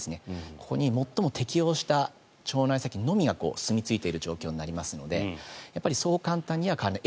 ここに最も適応した腸内細菌のみがすみ着いている状況になりますのでそう簡単には変わらない。